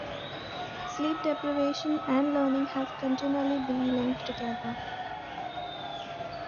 Sleep deprivation and learning have continually been linked together.